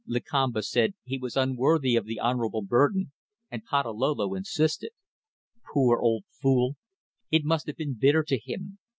Lakamba said he was unworthy of the honourable burden, and Patalolo insisted. Poor old fool! It must have been bitter to him.